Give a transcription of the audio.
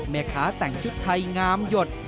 แม่ค้าแต่งชุดไทยงามหยด